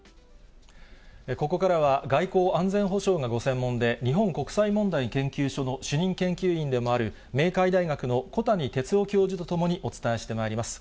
ここからは、外交・安全保障がご専門で、日本国際問題研究所の主任研究員でもある明海大学の小谷哲男教授と共にお伝えしてまいります。